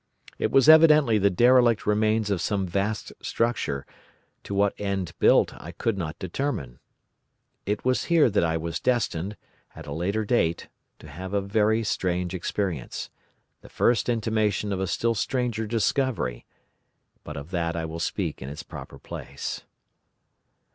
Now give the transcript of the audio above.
It was evidently the derelict remains of some vast structure, to what end built I could not determine. It was here that I was destined, at a later date, to have a very strange experience—the first intimation of a still stranger discovery—but of that I will speak in its proper place.